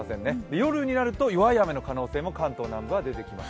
夜になると弱い雨の可能性も関東南部は出てきます。